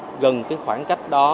để có thể xóa gần cái khoảng cách đó